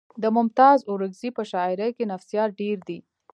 د ممتاز اورکزي په شاعرۍ کې نفسیات ډېر دي